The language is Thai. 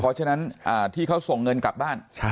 เพราะฉะนั้นที่เขาส่งเงินกลับบ้าน